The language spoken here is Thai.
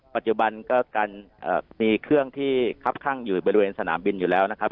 ปัจจุบันก็การมีเครื่องที่คับข้างอยู่บริเวณสนามบินอยู่แล้วนะครับ